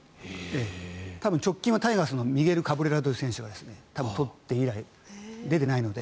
直近はタイガースのミゲル・カブレラ選手が取って以来、出ていないので。